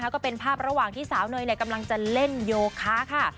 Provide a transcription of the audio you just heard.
ก็เป็นภาพระหว่างที่สาวเนยกำลังจะเล่นโยคะค่ะ